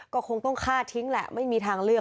ก็คงต้องฆ่าทิ้งแหละไม่มีทางเลือก